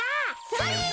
それ！